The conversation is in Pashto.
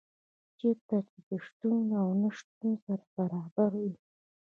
چېرته چي دي شتون او نه شتون سره برابر وي